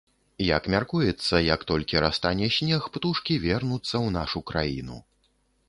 Як мяркуецца, як толькі растане снег, птушкі вернуцца ў нашу краіну.